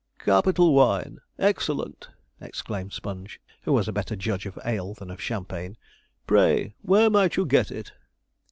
'Capital wine! Excellent!' exclaimed Sponge, who was a better judge of ale than of champagne. 'Pray, where might you get it?'